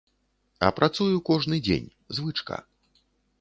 А працую кожны дзень, звычка.